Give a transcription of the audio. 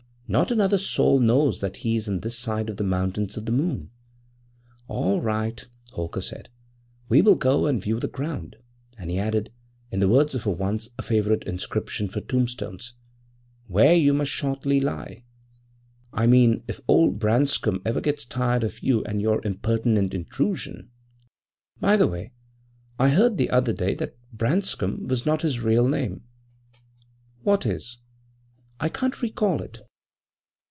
Not another soul knows that he is this side of the Mountains of the Moon.' 'All right,' Holker said; 'we will go and view the ground,' and he added, in the words of a once favourite inscription for tombstones: '"where you must shortly lie" I mean if old Branscom ever gets tired of you and your impertinent intrusion. By the way, I heard the other day that "Branscom" was not his real name.' < 11 > 'What is?' 'I can't recall it.